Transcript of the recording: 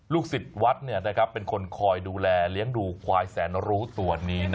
สิทธิ์วัดเป็นคนคอยดูแลเลี้ยงดูควายแสนรู้ตัวนี้